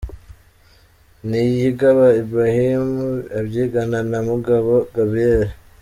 Niyigaba Ibrahim abyigana na Mugabo Gabriel.